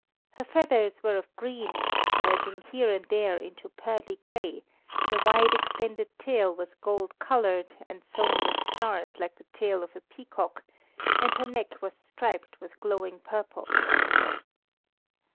Her feathers were of green, merging here and there into pearly grey, the wide extended tail was gold coloured, and sewn with stars like the tail of a peacock, and her neck was striped with glowing purple.